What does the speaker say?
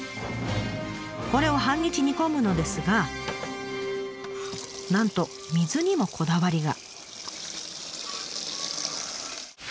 これを半日煮込むのですがなんと水にもこだわりが。